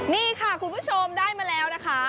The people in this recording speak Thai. นี่ค่ะคุณผู้ชมได้มาแล้วนะคะ